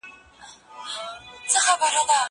زه هره ورځ قلم استعمالوم؟